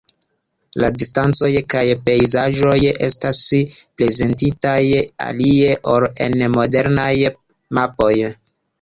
La distancoj kaj pejzaĝoj estas prezentitaj alie, ol en modernaj mapoj.